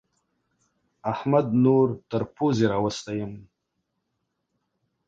احمد نور تر پوزې راوستی يم.